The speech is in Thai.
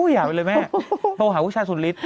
อย่าไปเลยแม่โทรหาผู้ชายสุดฤทธิ